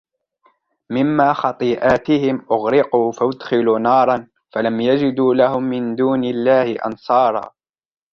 مِمَّا خَطِيئَاتِهِمْ أُغْرِقُوا فَأُدْخِلُوا نَارًا فَلَمْ يَجِدُوا لَهُمْ مِنْ دُونِ اللَّهِ أَنْصَارًا